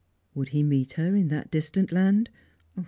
Would he meet her in that distant land